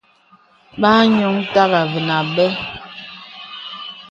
Bà ànioŋ tàgā və̂ nà àbə.